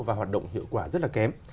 và hoạt động hiệu quả rất là kém